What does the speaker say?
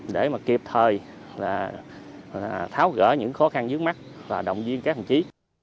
để mà kịp thời là tháo gỡ những khó khăn dưới mắt và động viên các hành trí